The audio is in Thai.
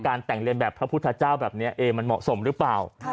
แต่งเรียนแบบพระพุทธเจ้าแบบนี้มันเหมาะสมหรือเปล่า